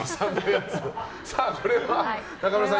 これは中村さん